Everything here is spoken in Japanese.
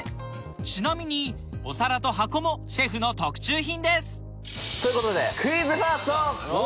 ちなみにお皿と箱もシェフの特注品ですということで。